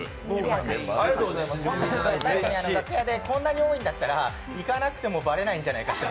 楽屋で、こんなに多いんだったら行かなくてもバレないんじゃないかと。